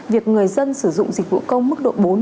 việc người dân sử dụng dịch vụ công mức độ bốn